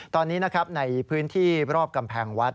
ตอนนี้ในพื้นที่รอบกำแพงวัด